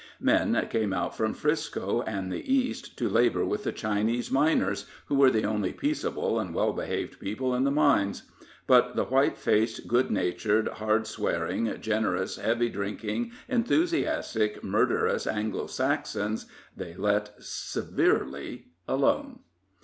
Men came out from 'Frisco and the East to labor with the Chinese miners, who were the only peaceable and well behaved people in the mines; but the white faced, good natured, hard swearing, generous, heavy drinking, enthusiastic, murderous Anglo Saxons they let severely alone.